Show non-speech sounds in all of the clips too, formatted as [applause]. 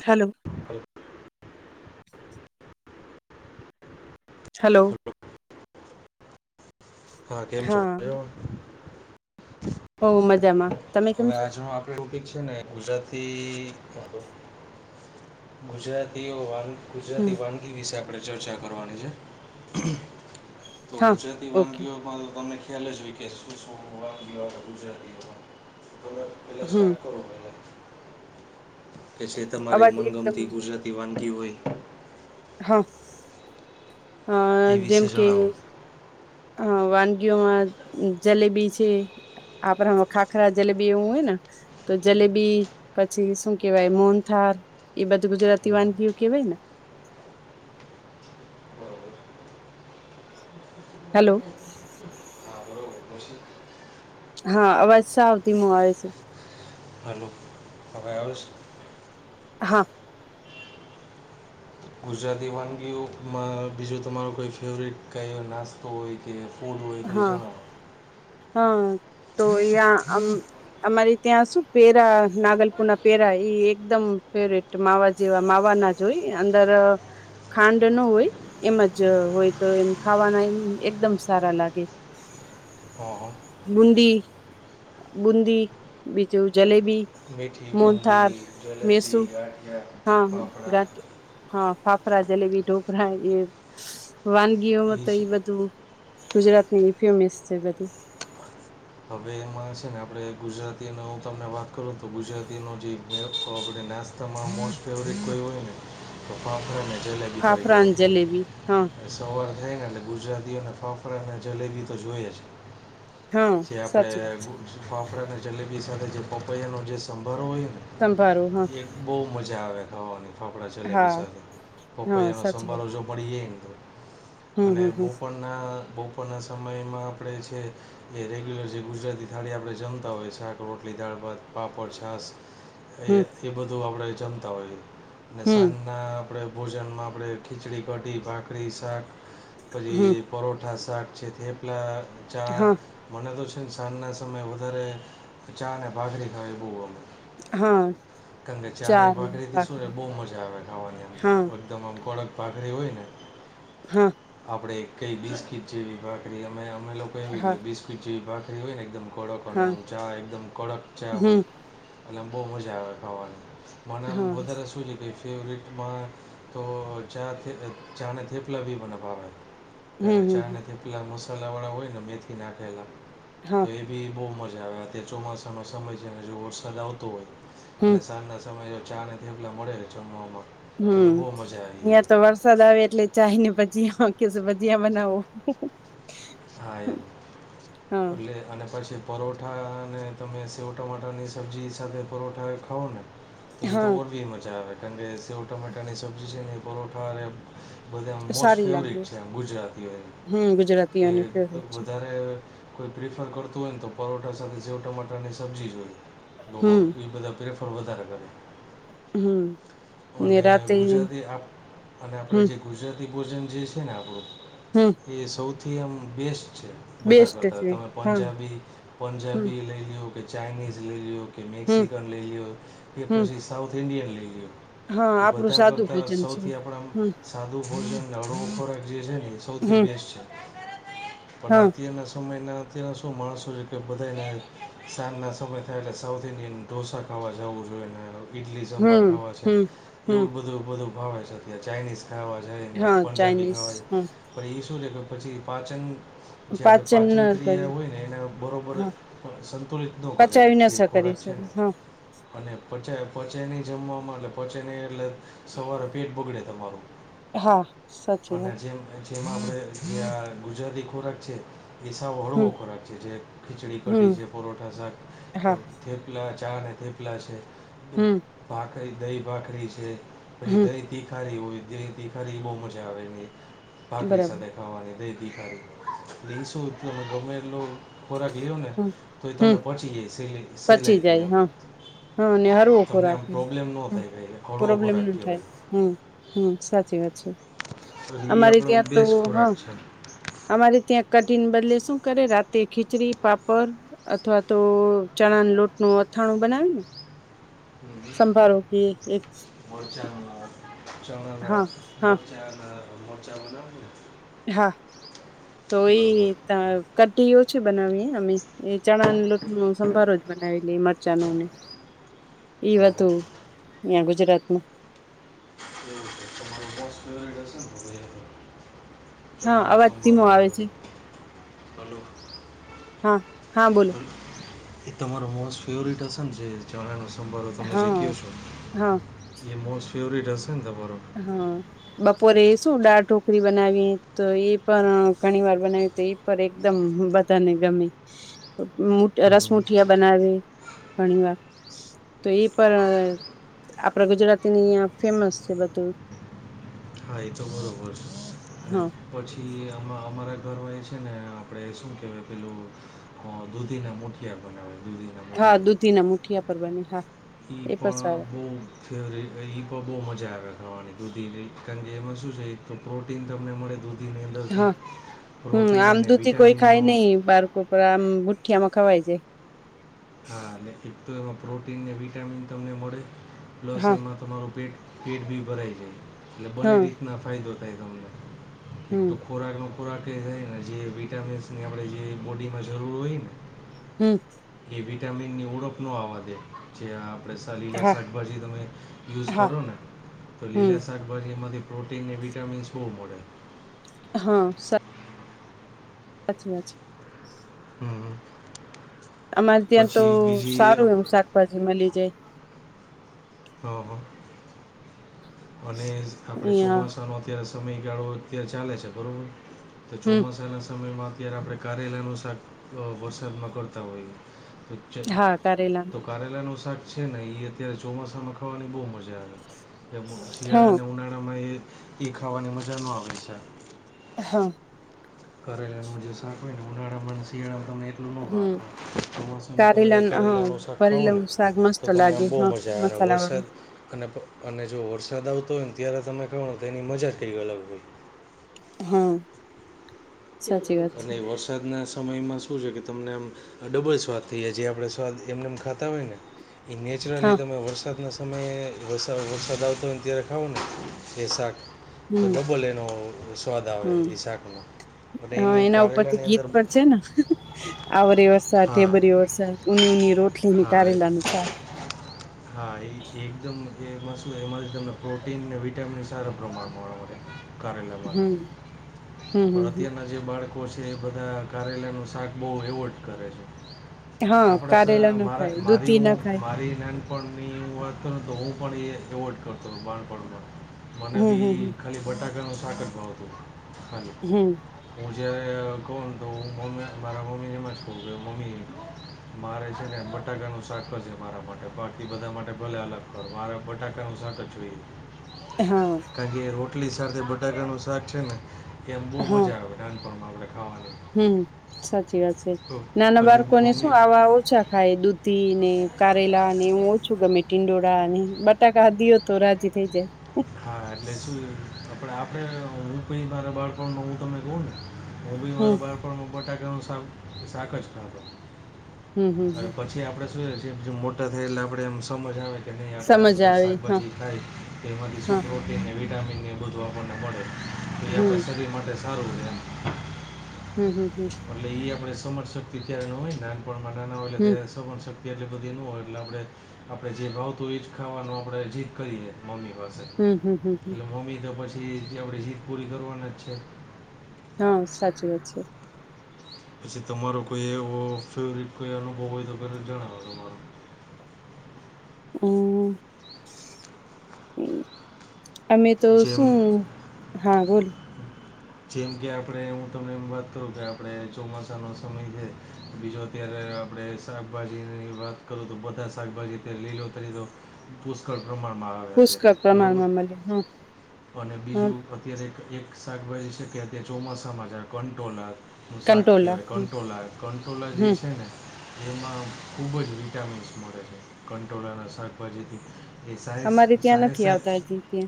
Hello હલ્ hello હા હા કેમ છો્યો ઓ મજામાં તમે કેમ હવે છો આજનો આપડ ટોપિક છે ને ગુજરાતી ગુજરાતીઓ વાન હમ ગુજરાતી વાનગી વિશે આપણે ચર્ચા કરવાની છે તો હા ગુજરાતી ઓકે વાનગીઓમાં તમે ખ્યાલ જ કે શું શ ગુજરાતી [unintelligible] પેલા હમ સ્ટાર્ટ કરો પહેલા કે જે તમારી અવાજ એકદમ મનગમતી ગુજરાતી વાનગી હોય હા અ એ વિશે જેમ કે જણાવો હા વાનગીઓમાં જલેબી છે. આપડે માં ખાખરા જલેબી એવું હોય નેં. તો જલેબી પછી શું કેહેવાય મોહનથાળ. એ બાધ ગુજરાતી વાન ભી કેવાયને. બરોબર હેલો. હ બોલો હું છે. હા અવાજ સાવતી મો આવે છે. હલો. અવે [unintelligible] હા. ગુજરાતી વાનગીઓમાં બીજું તમારુ કોઈ ફેવરિટ કઈ નાસ્તો હોય કે? હા [inaudible] હા તો યા અમારી ત્યાં શું પેરા નાગલપુના પેરા એકદમ ફેવરેટ માવા જેવા માવા ના જોઈ અંદર ખાંડ ન હોય એમ જ હોય તો એમ ખાવાના એમ એકદમ સારા લાગે. [unintelligible] હા હ. બુંદી બુંદી બીજું જલેબી. મોહનથાળ. લપી આટ. હા ગ હા ફાફડા જલેબી ઢોકરા એ. વાનગીઓમાં તો એ બધું ગુજરાતની ફેમસ છે. બધી હવે છે. ને આપડે ગુજરાતી ન હું તમને વાત કરું તો ગુજરાતી નો જે નાસ્તામાં મોસ્ટ ફેવરિટ હોયને તો અી તારીખ ફાફરા ઓળ થ જલેબી હા [unintelligible] એ સવાર થાય ને એટલે ગુજરાતીઓને ફફડા અને જલેબી તો જોઈએ જ. હા જે આપડે સાચી વાત છે ફાફડા અને જલેબી સાથે જે પપૈયાનોો જે સંભારો હોય ને. સંભારો હા. એક બહુ મજા આવે ખાવાની ફાફડા જલેબી હા સાથે. હા પપૈયાનો સાચી વાત સંભારો જો પ બ હમ હમ હમ [unintelligible] ના બપોરના સમયમાં આપણે છે. એ રેગ્યુલર જે ગુજરાતી થાળી આપણે જમતા હોય શાક રોટલી દાળ ભાત પાપડ છાસ હમ એ એ બધું આપણે જમતા હોઈએ અને હમ સાંજના. આપણે ભોજનમાં આપણે ખીચડી કઢી ભાખરી શાક પછી હમ પરોઠા શાક છે તે પેલા ચા. હા મને તો છે ને સા ના સય વધારેચા અને બાજરી ખાય એ બું. હા કારણ કે ચા ચાલ ભાખરીથી શું ને ભાખરી બહુ મજા આવે ખાવાની અંદર. હા એકદમ આમ કડક ભાખરી હોયને. હા. આપડે કઈ બિસ્કીટ જેવી ભાખરી અમે અમે લોકો હા એ બિસ્કીટ જેવી ભાખરી હોય ને એકદમ કડક અને હા એમ ચા એકદમ કડક ચા હમ હોય એટલે આમ બહુ મજા આવે ખાવાની. મન હા બોધરે સૂચકે. ફેવરિટમાં તો ચા ચાને થેપલા બી મને ભાવે. હમ હમ ચા હમ થેપલા મસાલા વાળા હોય ને મેથી નાખેલા હા તો બી બહુ મજા આવે અત ચોમાસાનો સમય છે. અને જો વરસાદ આવતો હોય હમ અને સાંજ સમય ચા. અને થેપલા મળે જમવા માં હમ તો વરષ વરસાદ આવે એટલે ચાય ને ભજીયા કે ભજીયા બનાવો. હા એમ હા એટલે અને પછી. પરોઠા અને તમે સેવ ટમાટરની સબ્જી સાથે પરોઠા એ ખાવઓ ને કઈ તો હા ર બી મજા આવે ંગે સવ ટમાટરની સબ્જીી છે પરોઠા અ બધા આમ મોસ્ટ સારી લાગે ફેવરિટ છે એમ ગુજરાતીઓ એ. હમ ગુજરાત કે વધારે કોઈ પ્રિફર કરતું હોય ને તો પરોઠા સાથે સેવ ટમાટર ની સબ્જી જ હોય હમ એ બધા પ્રેફર પૂર્વતાર કરે હમ ને અને રાતે ગુજરાતી અને આપણે હમ જે ગુજરાતી ભોજન જે છે ને આપણું હમ એ સૌથી આમ બેસ્ટ છે બધા બેસ્ટ કરતા છે તમે હા પંજાબી હમ પંજાબી લઈ લ લોયો કે ચાઇનીઝ લઈ લોયો કે હમ મેક્સિકન લઈ લોયો કે હમ પછી સાઉથ ઇન્ડિયન લઈ લો હા એ આપડું બધા સાદું કરતાં ભોજન છે સૌથી આપણા હમ સાદું ભોજનને હળવ ખોરાક જે છે ને એ સૌથી હમ બેસ્ટ છે પણ હા નતીએ અને સમ મહના અત્યારે શું માણસો છે કે બધાના સાંજના સમય થાય એટલે સાઉથ ઇન્ડિયન ઢોસા ખાવા જવું જોઈએ ને ઇડલી સાંભાર હમ ખાવા છે. હમ હમ એવું બધું બધું ખવાય છે ત્યાં ચાઇનીઝ ખાવા જાયને હા પંજાબી ચાઇનીઝ ખાવા જ હમ પણ એ શું છે કે પછી પાચન જે આપણે ન પાચન કરી ક્રિયા હોય ને એને બરાબર હા પણ સંતુલિત ન કરે પચાવી ન જે કરી ખોરાક છે શકે ને હા અને પચ્યા પહોંચે નહી જમવાવામાં એટલે પહોંચે નહીં એટલે સવારે પેટ બગડે તમારું. હા સાચી અને વાત જેમ જેમાં આપણે જે ગુજરાતી ખોરાક છે. પસાવ હમ હળવો ખોરાક છે જે ખીચડી હમ કટી છે. પરોઠા શાક હા થેપલા ચા અને થેપલા છે. હમ ભાખરી દહી ભાખરી છે પછી હમ દહી ભીખારી હોય દ ખરી બહુ મજા આવે ભાકરી બરાબર સાથે- કવાની એ દ દથીખે રિન્સો એટલા બોમેરલો ખોરાક લીયો ને હમ તો એ હમ તમને પહોંચી ગાય સેલી પચી જાય સેલાઈમ. હા હા અને હરવો ખોરાખ ન હ- થાય કંઈ હળવો પ્રોબ્લેમ ખોરાક ના થાય કહેવાય હમ હમ સાચી વાત છે. એ અમારે આપણો ત્યાં તો બેસ્ટ હ ખોરાક અમારે ત્યાં કઠિન બદલે શું કરે રા- તે ખિચડી પાપડ- અથવા તો ચણા ન લોટ નું અથાણું બનાવેને- છે સંભારો કે એક- મોરચાના ચણા હા હા મોરચાના મોરચા બનાવ- હા તોય બરોબર ત- કીઓ છે બનાવીએ અમે એ ચણા લોૂટ ન સંભારો જ બનાવીએ મરચા નને હા એવધું અહં ગુજરાતમાં તમારું બસ ફેવટ હશે ને એ તો હા અવાજ ધીમો આવે છે ચાલો- હા હા બોલો એ તમારો મોસ્ટ ફેવરિટ હશે ને જે- ચણાનો સંભારો તમે જે કહો હા છો હા એ મોસ્ટ ફેવરટ હશે ને તમારો- હા બપોરે શું દાળ ઢોકરી બનાવી તો એ પણ ઘણી વાર બનાવી તો એ પર એકદમ બધાને ગમે- [unintelligible] રસ હમ મુઠિયા બનાવે ઘણી વાર- તો એ પણ આપડા ગુજરાતીની અં ફેમસ છે બધું- હા એ તો બરોબર છે અને હા પછી અમારા ઘરમાં એ છે ને આપણે શું કહેવાય પેલું હ દૂધી ના મુઠિયા બનાવે છે હા દૂધી ના મુઠિયા પરવાની હા ક એ પણ સારું પળવો વ પણ બહુ મજા આવે ખાવાની દૂધી કારણ કે એમાં શું છે પ્રોટીન તમને મળે દૂધ હા હમ અને આમદુધી કોઈ ખાય વિટામિનનો નહિ બાળકો પરામુતઠિયા મખાવા હો આવીજ હા એટલે એક તો એમાં પ્રોટીનને વિટામિન તમને મળે પ્લસ હા એમાં તમારું પેટ પેટ બી ભરાય છે એટલે બંને હા રીતના ફાયદો થાય તમને એક હમ તો ખોરાકનો ખોરાક એ થાય ને જે વિટામિન્સની આપણે જે બોડીમાં જરૂર હોય ને હમ એ વિટામિન ની ઓળપ ન આવવા દે જે આપણેે લીલા હા શાકભાજી તમે યુઝ હા કરો ને તો હમ લીલા શાકા બ એમાંથી પ્રોટીન અને વિટામીન્સ બહુ મળડે હા અચ્ાચ છેા હમ અમારે ત્યાં તો પછી બીજી સારું એવુ શાકભાજી મળી જાય ઓહ અને આપડે અહિયાં ચોમાસાનો અત્યારે સમયગાળો અત્યારે ચાલે છે બરોબર તો હમ ચોમાસાના સમયમાં અત્યારે આપણે કારેલાનુ શાક વરસાદ કરતા હોઈએ પુ્છન હા કારેલા તો [inaudible] કારેલા નું શાક છે ને અત્યારે ચોમાસામાં ખાવાની બહ મજા આવે હા શિયાળાને ઉનાળામાં એ એ ખાવાની મજા ન આવે છે હા કરેલાનું જે શાક હોય ને ઉનાળામાં શિયાળામાં હમ ત ચોમામાં તમે કારેલા હા એકલા ન શાક ખાવો ને ભરેલું શાક મસ્ત તો તમને આમ લાગે બહુ હા મજા આવે અને મસાલા વર્ષ વાળું વરસાદ અને અને જો વરસાદ આવતો હોય ને ત્યારે તમે ખાવનેતો એની મજા કંઈક અલગ હોય હમ અને વરસાદના સમયમાં શું છે કે તમને આમ ડબલ સ્વાદ થઈ જાય જે આપણે સ્વાદ એમને એમ ખાતા હોય ને એ નેચરલી હા તમે વરસાદના તમે વરસાદ આવતો હોયને ત્યારે ખાવઓ ને એ શાક તો હમ ડબલ એનો સ્વાદ આવે હમ એ શાકનો. અને હા એની એના ઉપર તો કારેલાની ગીત અંદર પર છે ને આવરે વરસાદ હા ઢેબરી વરસાદ ઉનખ ઉની રોટલી હા એ કારેલાનું શાક હા એ એકદમ એ એમાંથી તમને પ્રોટીનને વિટામીન સારા પ્રમાણ મળવા મળે હમ હમ હમ ના જે બાળકો છે એ બધા કારેલાનું શાક બહુ એવોર્ડ કરે છે હા આપણે કારેલા ના ખાય મારા મારી દૂધી ના હું ખાય મારી ના બાળપણની વાત કર તો હું પણ એ એવોઈડ કરતો હતો બાળપણમાં મને હમ હમ બી હમ ખાલી બટાકાનું શાક જ ભાવ હતું ખાલી હમ. મુજે કૌન તો મોમે મારા મમી ને એમજ કઉ કે મમી. મારે છે ને બટાકાનું શાકજ મારા માટે બાકી બધા માટે ભલે અલગ પર મારે બટાકા નું શાક જ જોઈએ. હા. કારણ કે રોટલી સાથે બટાકાનું શાક છે ને એમ બહુ મજા આવે નાનપણમાં આપણે ખાવાની. હમ્મ સાચી વાત છે, તો નાના પછી બાળકોને શું મમ્મી આવા ઓછા ખાય દૂધી ને કારેલાને એવું ઓછું ગમે. ટીંડોળને બ ટાકા દીઓ તો રાજી થઇ જાય. આપડે આપડે હું કઇ મારા બાળપણને હું તમને કહું ને હું બી હમ મારા બાળ પણ માં બટાકા નું શાક જ ખાતો. હમ હમ હમ પછી આપડે શું છે કે મોટા થાય એટલે આપડે એમ સમજ આવે. કે નહીં આપણે સમજ આઠદસ આવે હા શાકભાજી ખાઈ તો એમાંથી શું હા પ્રોટીનને વિટામિન એ બધું આપણને મળે. એ હમ આપડા શરીર માટે સારું છે એમ. હમ્મ હમ્મ હમ્મ. એટલે એ આપણે સમજ શક્તિ ત્યારે ન હોય નાનપણમાં નાના હોય એટલે ત સમજ શક્તિ એટલે બધી ન હોય એટલે આપણે આપડે જે ભાવતું એ જ ખાવાનું આપડે જીદ કરીએ મમ્મી પાસે. હમ્મ હમ્મ હમ્મ. એટલે મમ્મી તો પછી આપણે જીદ પૂરી કરવાના જ છે. હા, સાચી વાત છે. પછી તમારો કોઈ એવો ફેવરેટ કોઈ અનુભવ હોય તો જણાવો. અમ. અમે તો શું જેમ હા બોલ. જેમ કે આપણે હું તમને એમ વાત કરું કે આપડે ચોમાસાનો સમય છે. બીજો અત્યારે આપણડે શાકભાજીની વાત કરું તો બધા શાકભાજી અત્યારે લીલોતરી તો પુષ્કળ પ્રમાણમાં આવે પુષ્કળ અત્યારે બરોબર પ્રમાણમાં મળે હમ અને હમ બીજું અત્યારે એક શાકભાજી છે કે ત ચોમાસામાં જ કંટોલા નું શાક કંટોલા કહેવાય હમ કંટ્રોલા કંટ્રોલા જે હમ છે ને. એમાં ખૂબ જ વિટામિન્સ મળે છે કંટ્રોલાના શાકભાજીથી. એ સાયન્સ સાયન્સ [unintelligible] હા જી કે.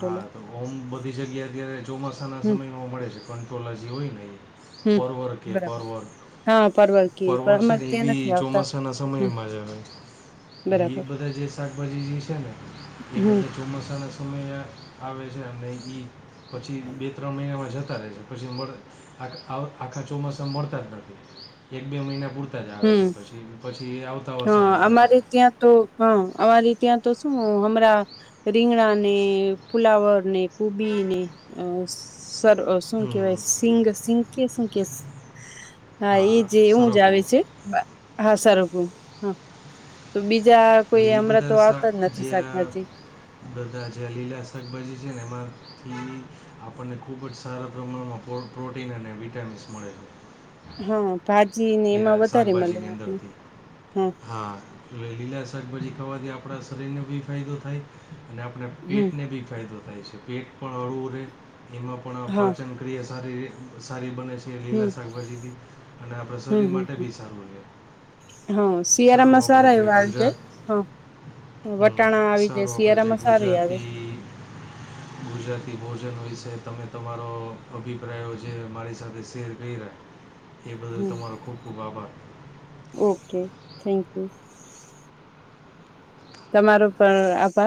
હા, તો ઓમ બધી જગ્યા અત્યારે ચોમાસાના હમ સમયમાં મળે છે. કંટ્રોલા જે હોય ને એ હમ પરવડ કે બરાબર પરવડ. હા પરવર કે પણ પરવડશે અમારે એ ત્યાં નથી બી આવતા ચોમાસા ના હમ સમયમાં જ આવે. એ એ બરાબર બધા જે શાકભાજી જે છે ને એ હમ બધા ચોમાસાના સમયે આવે છે અને ઈ પછી બે ત્રણ મહિના જતા રહે છે. પછી આ આખા ચોમાસા મળતા જ નથી એક બે મહિના પૂર તા જ આવે છે હમ પછી પછી આવતા વર્ષે પાછા. ત્યા તો. હા અમાંરે ત્યાં તો શું હમણાં રીંગણા ને ફુલાવર ને કુબી ને અ સર શું હમ કેહેવાય સિંગ સિંગ કે શું કે હા એ જે એવું જ આવે છે. હા સરગવુ. તો બીજા કોઈ એટલે એ હમણાં બધા તો શા આવતા જ નથી જે આ શાકભાજી. બધા જે લીલા શાકભાજી છે ને એમાંથી આપણને ખૂબ જ સારા પ્રમાણમાં પ્રોટીન અને વિટામિન્સ મળે. હા ભાજી ને છે એ એમાં વધારે મલે શાકભાજીની આમેં હા. હા. એટ લીલા શાકભાજી ખાવાથી આપણા શરીરને બી ફાયદો થાય. અને આપણે હમ પેટને બી ફાયદો થાય છે પેટ પણ હળવું રહે. એમાં પણ હા પાચન પ્ર્રિય સારી સારી બને છે એ હમ લીલા શાકભાજી બી અને આ પ્રસાદી માટે બી સારું છે. હ શિિયાારા મસાાર જે એવા આવી જાય ગુજરાત હ હમ, વટાણા આવી જાય શિયાારામાં સારું આવે ગ. ગુજરાતી ભોજન વિશે તમે તમારો અભિપ્રાયો જે મારી સાથે શેર કરી રહ્યા. એ બદલ હમ તમારો ખૂબ ખૂબ આભાર. Okay thank you. તમારો પણ આભાર.